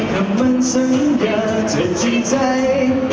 หากไม่มองเที่ยวที่ไป